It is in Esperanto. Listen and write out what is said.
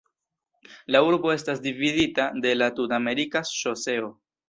La urbo estas dividita de la Tut-Amerika Ŝoseo.